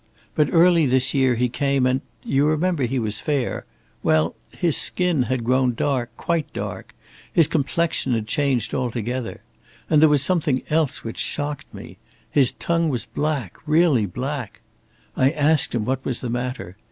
But early this year he came and you remember he was fair well, his skin had grown dark, quite dark, his complexion had changed altogether. And there was something else which shocked me. His tongue was black, really black. I asked him what was the matter?